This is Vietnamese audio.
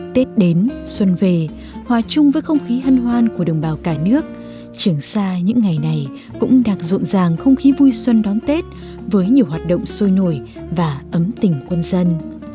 tết đến xuân về hòa chung với không khí hân hoan của đồng bào cả nước trường xa những ngày này cũng đang rộn ràng không khí vui xuân đón tết với nhiều hoạt động sôi nổi và ấm tình quân dân